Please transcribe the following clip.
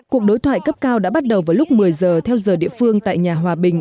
cuộc đối thoại cấp cao đã bắt đầu vào lúc một mươi giờ theo giờ địa phương tại nhà hòa bình